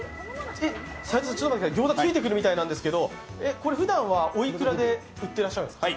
餃子、ついてくるみたいなんですけど、ふだんはおいくらで売ってらっしゃるんですか？